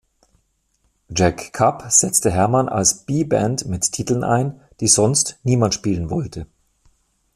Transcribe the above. Jack Kapp setzte Herman als "B"-Band mit Titeln ein, die sonst niemand spielen wollte.